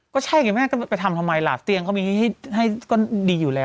ก็ใช่ไงไปทำทำไมล่ะเตียงให้ก็ดีอยู่แล้ว